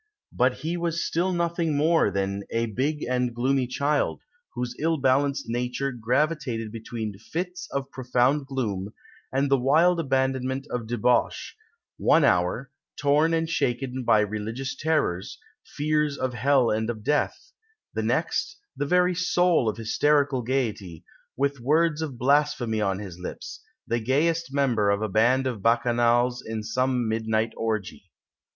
But he was still nothing more than "a big and gloomy child," whose ill balanced nature gravitated between fits of profound gloom and the wild abandonment of debauch; one hour, torn and shaken by religious terrors, fears of hell and of death; the next, the very soul of hysterical gaiety, with words of blasphemy on his lips, the gayest member of a band of Bacchanals in some midnight orgy.